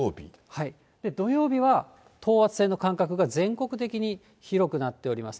土曜日は、等圧線の間隔が全国的に広くなっております。